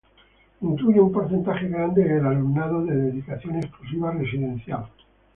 Incluye un porcentaje grande de alumnado de dedicación exclusiva residencial.